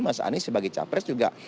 mas anies sebagai capres juga